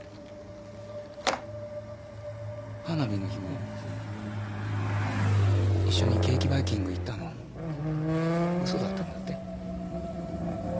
花火の日も一緒にケーキバイキング行ったの嘘だったんだって？